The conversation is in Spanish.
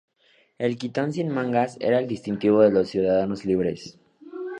El quitón sin mangas era el distintivo de los ciudadanos libres.